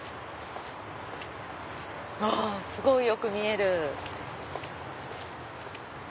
すごいよく見える。